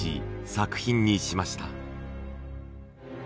作品にしました。